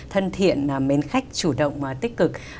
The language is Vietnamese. thân thiện mến khách chủ động tích cực